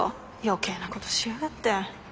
余計なことしやがって。